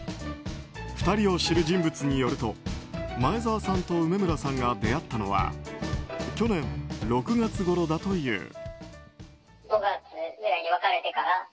２人を知る人物によると前澤さんと梅村さんが出会ったのは去年６月ごろだという。